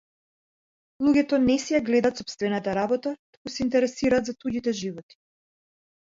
Луѓето не си ја гледаат сопстевната работа туку се интересираат за туѓите животи.